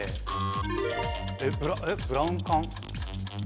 えっブラウン管？